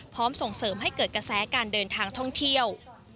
ส่งเสริมให้เกิดกระแสการเดินทางท่องเที่ยว